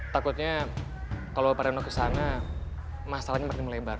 takutnya kalau pak reno ke sana masalahnya mesti melebar